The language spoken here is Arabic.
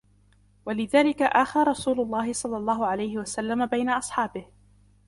وَلِذَلِكَ آخَى رَسُولُ اللَّهِ صَلَّى اللَّهُ عَلَيْهِ وَسَلَّمَ بَيْنَ أَصْحَابِهِ